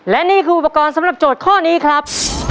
และนี่คืออุปกรณ์สำหรับโจทย์ข้อนี้ครับ